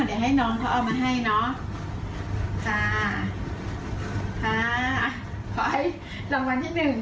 เดี๋ยวให้น้องเขาเอามาให้เนอะ